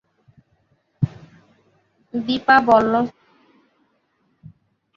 দিপা বলল, চলে যাচ্ছেন?